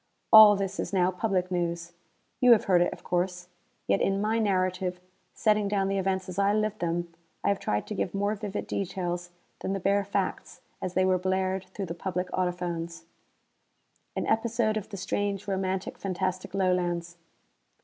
All this is now public news. You have heard it, of course. Yet in my narrative, setting down the events as I lived them, I have tried to give more vivid details than the bare facts as they were blared through the public audiphones. An episode of the strange, romantic, fantastic Lowlands.